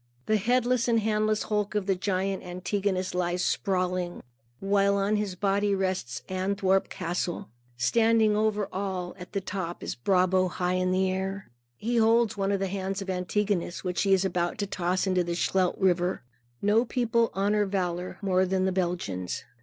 The headless and handless hulk of the giant Antigonus lies sprawling, while on his body rests Antwerp castle. Standing over all, at the top, is Brabo high in air. He holds one of the hands of Antigonus, which he is about to toss into the Scheldt River. No people honor valor more than the Belgians.